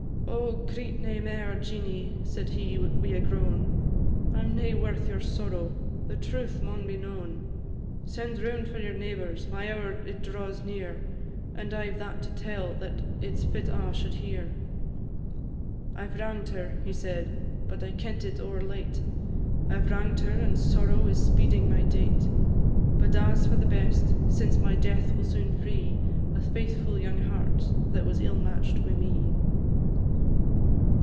"Oh, greet nae mair, Jeanie!" said he, wi' a groan; "I 'm nae worth your sorrow the truth maun be known; Send round for your neighbours my hour it draws near, And I 've that to tell that it 's fit a' should hear. "I 've wrang'd her," he said, "but I kent it o'er late; I 've wrang'd her, and sorrow is speeding my date; But a 's for the best, since my death will soon free A faithfu' young heart, that was ill match'd wi' me.